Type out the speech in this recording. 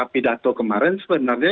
pidato kemarin sebenarnya